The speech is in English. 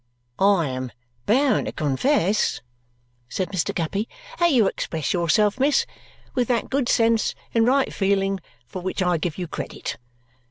"I am bound to confess," said Mr. Guppy, "that you express yourself, miss, with that good sense and right feeling for which I gave you credit.